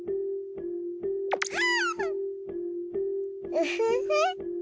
ウフフ！